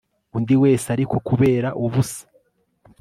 Undi wese ariko kubera ubusa